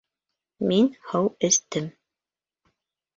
Мин һыу эстем.